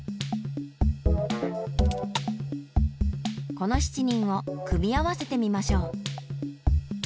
この７人を組み合わせてみましょう。